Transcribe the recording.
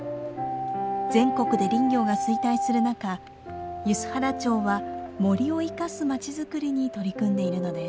全国で林業が衰退する中梼原町は森を生かす町づくりに取り組んでいるのです。